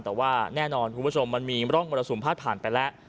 แต่ว่าแน่นอนคุณผู้ชมมันมีร่องมรสุมพาดผ่านไปแล้ว